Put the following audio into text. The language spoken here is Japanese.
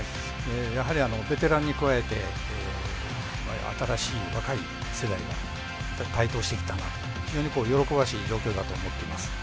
やはりベテランに加えて新しい若い世代が台頭してきたなと非常に喜ばしい状況だと思っています。